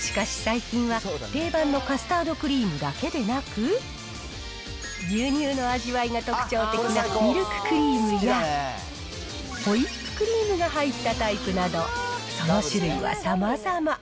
しかし最近は、定番のカスタードクリームだけでなく、牛乳の味わいが特徴的なミルククリームや、ホイップクリームが入ったタイプなど、その種類はさまざま。